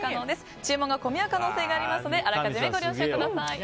注文が混み合う可能性がありますので予めご了承ください。